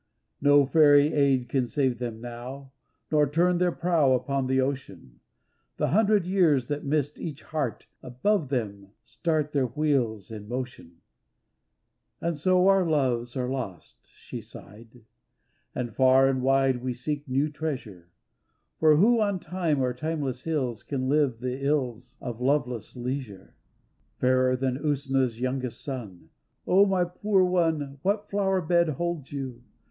No fairy aid can save them now Nor turn their prow upon the ocean, The hundred years that missed each heart Above them start their wheels in motion. THE LANAWN SHEE 26$ And so our loves are lost, she sighed, And far and wide we seek new treasure, For who on Time or Timeless hills Can live the ills of loveless leisure? (" Fairer than Usna's youngest son, O, my poor one, what flower bed holds you?